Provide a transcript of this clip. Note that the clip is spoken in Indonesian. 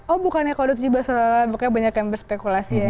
oh bukannya kalau dua ribu tujuh belas banyak yang berspekulasi ya